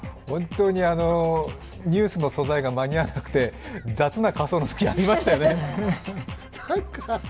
本当にニュースの素材が間に合わなくて、雑な仮装のとき、ありましたよね。